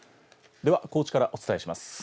では、高知からお伝えします。